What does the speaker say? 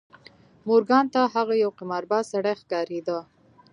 مورګان ته هغه یو قمارباز سړی ښکارېده